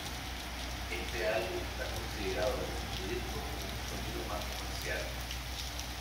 Este álbum está considerado como su disco con un sonido más comercial.